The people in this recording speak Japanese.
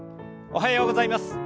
おはようございます。